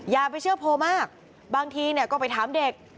อย่าไปเชื่อโพลมากบางทีก็ไปถามเด็ก